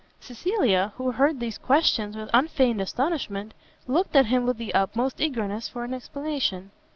Cecilia, who heard these questions with unfeigned astonishment, looked at him with the utmost eagerness for an explanation.